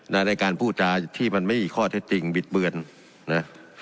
ในการพูดจาที่มันไม่มีข้อเท็จจริงบิดเบือนนะ